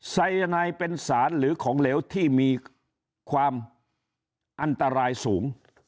ไซยาไนเป็นสารหรือของเหลวที่มีความอันตรายสูง